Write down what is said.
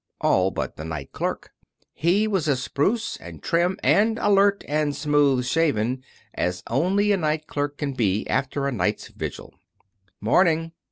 All but the night clerk. He was as spruce and trim, and alert and smooth shaven as only a night clerk can be after a night's vigil. "'Morning!"